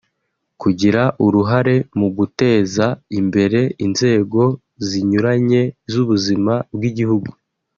Kugira uruhare mu guteza imbere inzego zinyuranye z’ubuzima bw‟igihugu